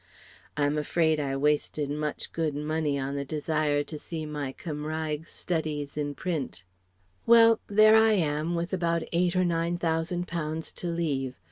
I am afraid I wasted much good money on the desire to see my Cymraeg studies in print. Well: there I am! with about eight or nine thousand pounds to leave.